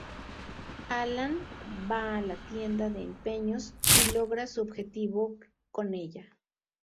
Alan va a la tienda de empeños y logra su objetivo con ella.